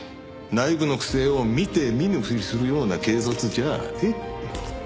内部の不正を見て見ぬふりするような警察じゃあね。